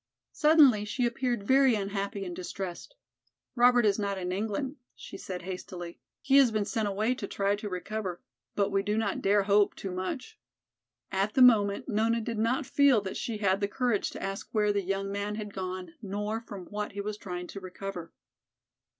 Suddenly she appeared very unhappy and distressed. "Robert is not in England," she said hastily. "He has been sent away to try to recover, but we do not dare hope too much." At the moment Nona did not feel that she had the courage to ask where the young man had gone nor from what he was trying to recover.